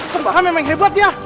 sembaran memang hebat ya